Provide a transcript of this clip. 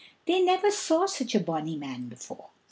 They never saw such a bonny man before.